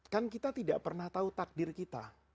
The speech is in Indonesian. kan kita tidak pernah tahu takdir kita